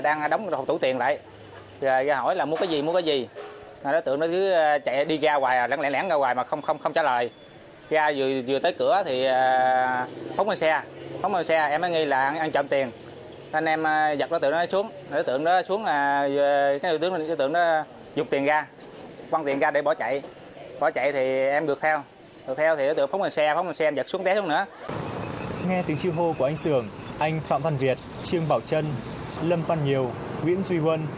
nghe tiếng chiêu hô của anh sường anh phạm văn việt trương bảo trân lâm văn nhiều nguyễn duy huân